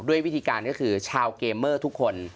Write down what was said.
ด้วยวิธีการก็คือชาวเกมเมอร์ทุกคน